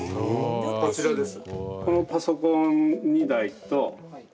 こちらです。